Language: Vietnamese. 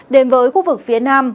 đến với khu vực phía nam